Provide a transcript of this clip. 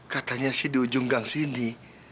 katanya sih di ujung gang sini